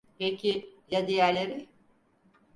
Peki ya diğerleri?